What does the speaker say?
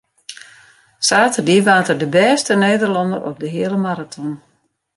Saterdei waard er de bêste Nederlanner op de heale maraton.